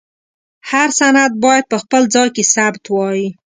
هر سند باید په خپل ځای کې ثبت وای.